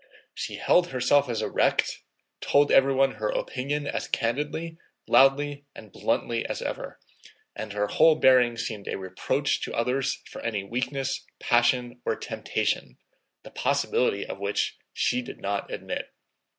She held herself as erect, told everyone her opinion as candidly, loudly, and bluntly as ever, and her whole bearing seemed a reproach to others for any weakness, passion, or temptation—the possibility of which she did not admit.